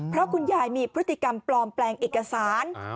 เพราะคุณยายมีพฤติกรรมปลอมแปลงเอกสาร